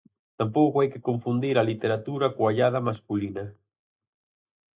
Tampouco hai que confundir a literatura coa ollada masculina.